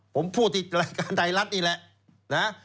ผมพูดที่รายการไทยรัฐนี่แหละนะ